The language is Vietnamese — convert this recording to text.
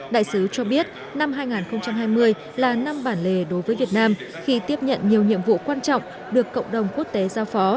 đại sứ cho biết năm hai nghìn hai mươi là năm bản lề đối với việt nam khi tiếp nhận nhiều nhiệm vụ quan trọng được cộng đồng quốc tế giao phó